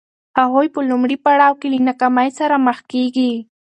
هغوی په لومړي پړاو کې له ناکامۍ سره مخ کېږي.